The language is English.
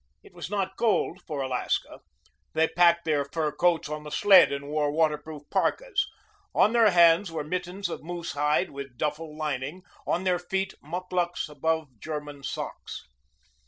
It was not cold for Alaska. They packed their fur coats on the sled and wore waterproof parkas. On their hands were mittens of moosehide with duffel lining, on their feet mukluks above "German" socks.